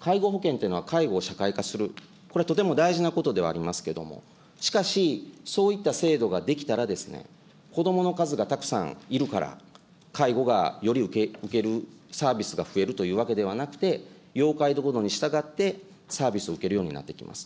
介護保険っていうのは、介護を社会化する、これ、とても大事なことではありますけれども、しかし、そういった制度ができたら、子どもの数がたくさんいるから、介護がより受けるサービスが増えるというわけではなくて、要介護度に従って、サービスを受けるようになっていきます。